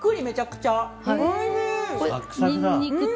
めちゃくちゃ。